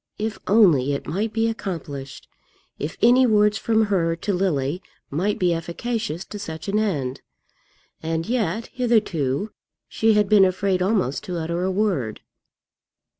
If only it might be accomplished! If any words from her to Lily might be efficacious to such an end! And yet, hitherto, she had been afraid almost to utter a word.